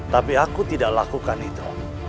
tapi aku tidak lakukan itu